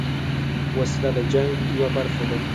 وسله د جنګ یوه برخه ده